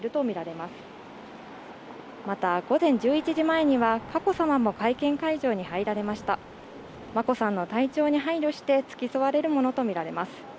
また午前１１時前には佳子さまも会見会場に入られました眞子さんの体調に配慮して付き添われるものと見られます